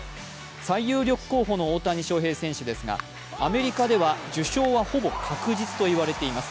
最有力候補の大谷翔平選手ですが、アメリカでは受賞は、ほぼ確実といわれています。